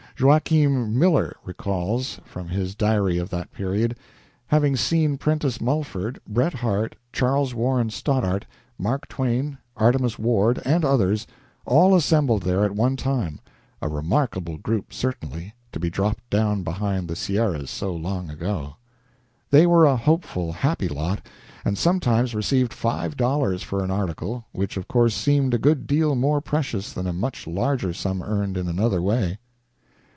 Joaquin Miller recalls, from his diary of that period, having seen Prentice Mulford, Bret Harte, Charles Warren Stoddard, Mark Twain, Artemus Ward, and others, all assembled there at one time a remarkable group, certainly, to be dropped down behind the Sierras so long ago. They were a hopeful, happy lot, and sometimes received five dollars for an article, which, of course, seemed a good deal more precious than a much larger sum earned in another way.